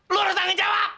lo yang harus tanggung jawab